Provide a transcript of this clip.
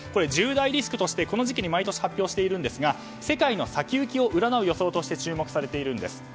十大リスクとして、この時期に毎年発表しているんですが世界の先行きを占う予想として注目されているんです。